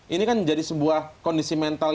ini kan menjadi sebuah kondisi mental